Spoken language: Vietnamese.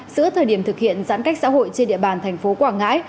giữa thời điểm thực hiện giãn cách xã hội trên địa bàn tp quảng ngãi